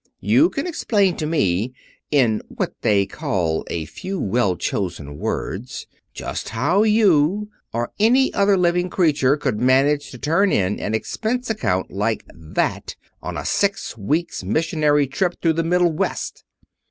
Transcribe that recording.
You can explain to me, in what they call a few well chosen words, just how you, or any other living creature, could manage to turn in an expense account like that on a six weeks' missionary trip through the Middle West."